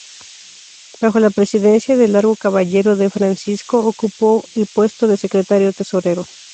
Bajo la presidencia de Largo Caballero, De Francisco ocupó el puesto de secretario-tesorero.